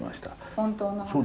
本当の話？